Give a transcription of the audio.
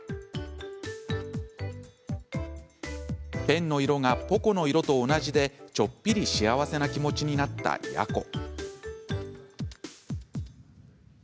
ペンの色がポコの色と同じでちょっぴり幸せな気持ちになったヤコ。